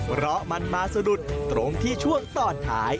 เพราะมันมาสะดุดตรงที่ช่วงตอนท้าย